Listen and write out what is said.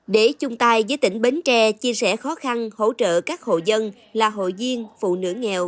để chung tay với tỉnh bến tre chia sẻ khó khăn hỗ trợ các hộ dân là hội viên phụ nữ nghèo